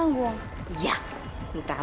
semuanya pasti beres